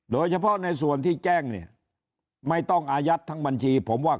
โดยเฉพาะในส่วนที่แจ้งเนี่ยไม่ต้องอายัดทั้งบัญชีผมว่า